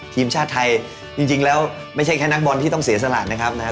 ทีมชาติไทยจริงแล้วไม่ใช่แค่นักบอลที่ต้องเสียสละนะครับนะครับ